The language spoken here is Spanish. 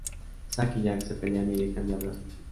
Zack y Jack se pelean y dejan de hablarse.